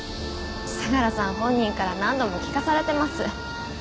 相良さん本人から何度も聞かされてます。